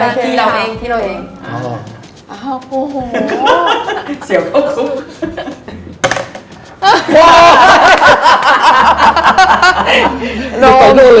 อย่าติดตรงนี้นะคะอย่าตาบนะคะพี่ใหม่